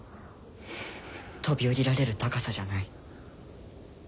飛び降りられる高さじゃない。